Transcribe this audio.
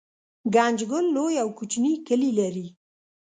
ګنجګل لوی او کوچني کلي لري